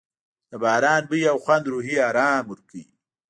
د باران بوی او خوند روحي آرام ورکوي.